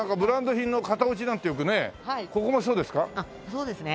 そうですね。